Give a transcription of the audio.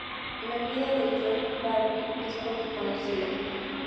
La vida de George Barbier es poco conocida.